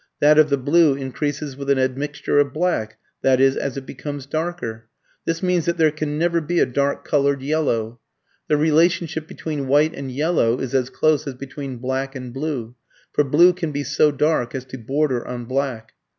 That of the blue increases with an admixture of black, i.e., as it becomes darker. This means that there can never be a dark coloured yellow. The relationship between white and yellow is as close as between black and blue, for blue can be so dark as to border on black.